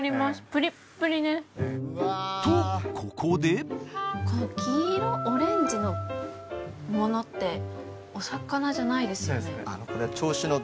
プリップリですとここでこの黄色オレンジのものってお魚じゃないですよね？